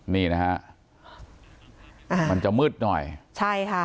นี่นะฮะอ่ามันจะมืดหน่อยใช่ค่ะ